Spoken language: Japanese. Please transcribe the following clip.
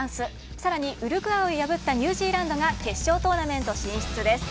さらに、ウルグアイを破ったニュージーランドが決勝トーナメント進出です。